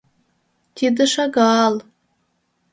Тиде шагал.